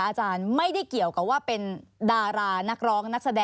อาจารย์ไม่ได้เกี่ยวกับว่าเป็นดารานักร้องนักแสดง